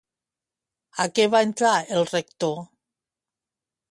A què va entrar el Rector?